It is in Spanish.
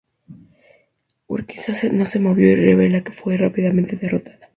Urquiza no se movió y la revuelta fue rápidamente derrotada.